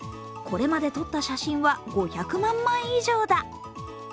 これまで撮った写真は５００万枚以上だ。